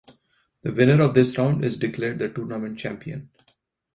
The winner of this round is declared the tournament champion.